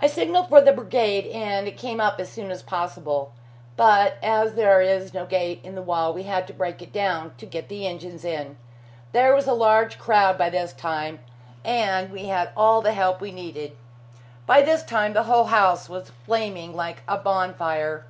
I signalled for the brigade, and it came up as soon as possible. But as there is no gate in the wall, we had to break it down to get the engines in. There was a large crowd by this time, and we had all the help we needed. By this time the whole house was flaming like a bonfire.